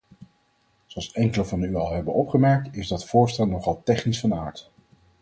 Zoals enkelen van u al hebben opgemerkt is dat voorstel nogal technisch van aard.